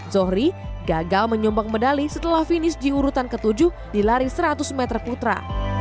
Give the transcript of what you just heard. zohri gagal menyumpang medali setelah finish di urutan ketujuh di lari seratus meter putra